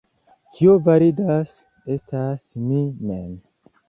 Kio validas, estas mi mem.